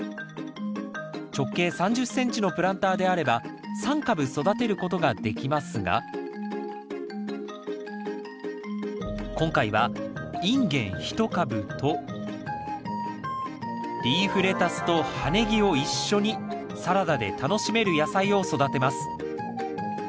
直径３０ｃｍのプランターであれば３株育てることができますが今回はインゲン１株とリーフレタスと葉ネギを一緒にサラダで楽しめる野菜を育てます。